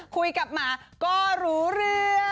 คุยกับหมาก็รู้เรื่อง